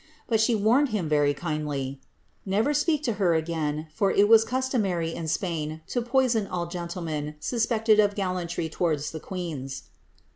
But she warned him, very kindly, ^ never to speak to her again, for it was customary in Spain to poison all gentlemen suspected of gallantry towards the queens."